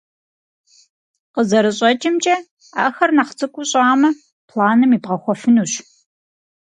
КъызэрыщӀэкӀымкӀэ, ахэр нэхъ цӀыкӀуу щӀамэ, планым ибгъэхуэфынущ.